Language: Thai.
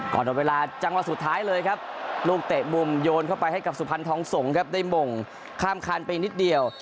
ก่อนเวลาจังหวะสุดท้ายเลยครับลูกเตะมุมโยนเข้าไปให้กับสุพรรณทองสงครับได้มงข้ามคันไปนิดเดียว